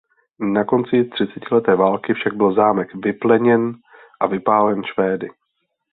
Na konci třicetileté války však byl zámek vypleněn a vypálen Švédy.